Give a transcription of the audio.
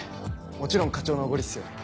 もちろん課長のおごりっすよね？